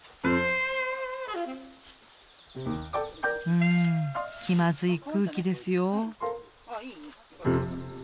うん気まずい空気ですよ。